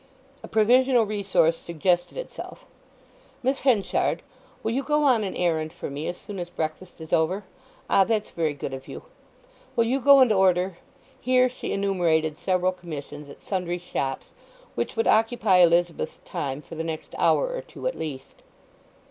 A provisional resource suggested itself. "Miss Henchard—will you go on an errand for me as soon as breakfast is over?—Ah, that's very good of you. Will you go and order—" Here she enumerated several commissions at sundry shops, which would occupy Elizabeth's time for the next hour or two, at least.